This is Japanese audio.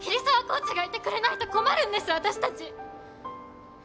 コーチがいてくれないと困るんです私たち！